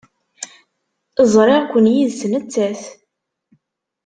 Ẓriɣ-ken yid-s nettat.